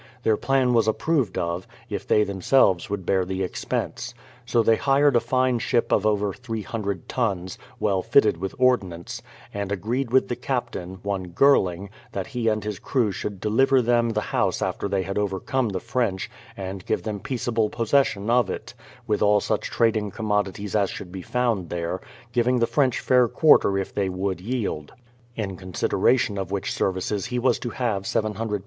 Their plan was approved of, if they them selves would bear the expense. So they hired a fine ship of over 300 tons, well fitted with ordnance, and agreed with the captain, one Girling, that he and his crew should de 268 BRADFORD'S HISTORY OF liver* them the house after they had overcome the French and give them peaceable possession of it, with all such trading commodities as should be found there, giving the French fair quarter if they would yield. In consideration of which services he was to have 700 lbs.